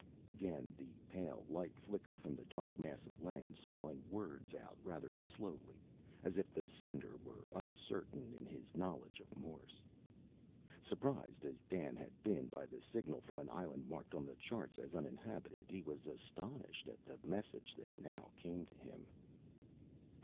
Again the pale light flickered from the dark mass of land, spelling words out rather slowly, as if the sender were uncertain in his knowledge of Morse. Surprised as Dan had been by the signal from an island marked on the charts as uninhabited, he was astonished at the message that now came to him.